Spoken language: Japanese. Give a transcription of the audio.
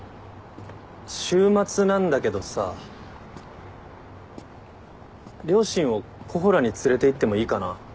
週末なんだけどさ両親をＫｏｈｏｌａに連れていってもいいかな？